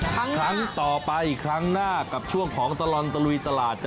ครั้งต่อไปครั้งหน้ากับช่วงของตลอดตะลุยตลาด